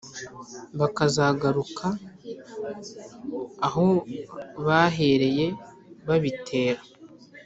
bakazagaruka aho bahereye babitera